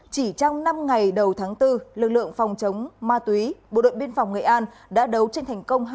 chỉ trong năm ngày đầu tháng bốn lực lượng phòng chống ma túy bộ đội biên phòng nghệ an đã đấu trên thành công